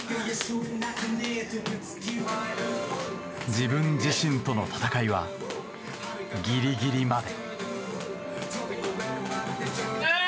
自分自身との戦いはギリギリまで。